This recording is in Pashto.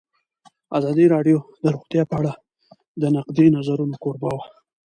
ازادي راډیو د روغتیا په اړه د نقدي نظرونو کوربه وه.